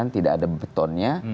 tidak ada betonnya